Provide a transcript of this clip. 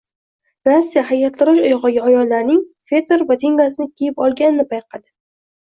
Nastya haykaltarosh oyogʻiga ayollarning fetr botinkasini kiyib olganini payqadi.